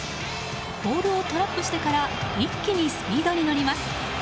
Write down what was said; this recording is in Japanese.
ボールをトラップしてから一気にスピードに乗ります。